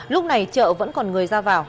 lúc này chợ vẫn còn người ra vào